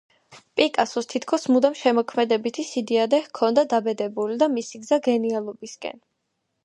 პიკასოს თითქოს მუდამ შემოქმედებითი სიდიადე ჰქონდა დაბედებული და მისი გზა გენიალობისაკენ.